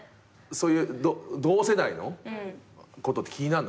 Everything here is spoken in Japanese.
そういう同世代のことって気になんの？